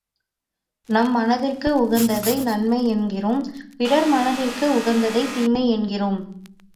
நம் மனத்திற்கு உகந்ததை நன்மை என்கிறோம், பிறர் மனத்திற்கு உகந்ததைத் தீமை என்கிறோம்.